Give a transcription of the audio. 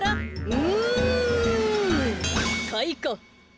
うんかいか。